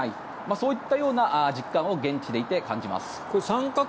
そういったような実感を現地でいて、感じます。